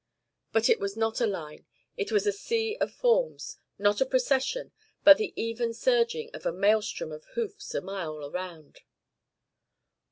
But it was not a line, it was a sea of forms; not a procession, but the even surging of a maelstrom of hoofs a mile around.